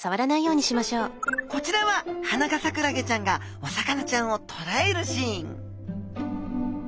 こちらはハナガサクラゲちゃんがお魚ちゃんをとらえるシーン